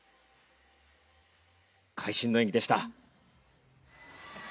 会心の演技でした。